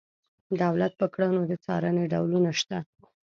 دولت په کړنو د څارنې ډولونه شته.